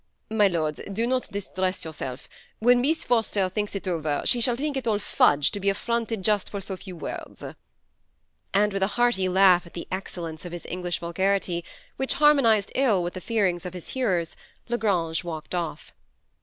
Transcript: My lord, do not distress yourself; when Mees Forster think it over, she shall think it all fudge to be affix>nted just for so few words;" and with a hearty laugh at the excellence of his English vulgarity, which harmonized ill with the feelings of his hearers, La Grange walked off.